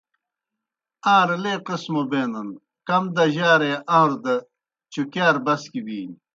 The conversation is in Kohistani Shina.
آن٘رے لے قسمہ بینَن، کم درجائے آن٘روْ دہ چُکیار بسکیْ بِینیْ۔